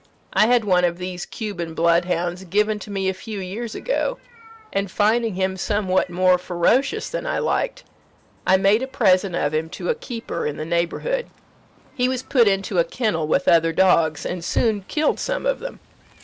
I had one of these Cuban bloodhounds given to me a few years ago, and finding him somewhat more ferocious than I liked, I made a present of him to a keeper in the neighbourhood. He was put into a kennel with other dogs, and soon killed some of them.